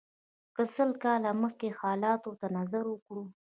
که سل کاله مخکې حالاتو ته نظر وکړو.